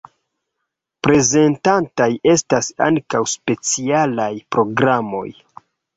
Prezentataj estas ankaŭ specialaj programoj.